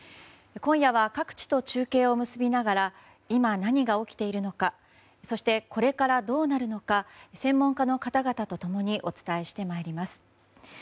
今夜は各地と中継を結びながら今、何が起きているのかそして、これからどうなるのか専門家の方々と共にお伝えしてまいります。